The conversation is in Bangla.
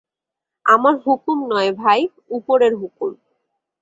আমার হুকুম নয় ভাই, উপরের হুকুম।